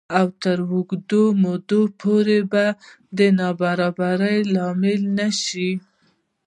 او تر اوږدې مودې پورې د نابرابرۍ لامل نه شي